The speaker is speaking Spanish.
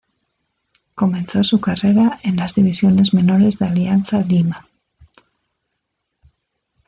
Comenzó su carrera en las divisiones menores de Alianza Lima.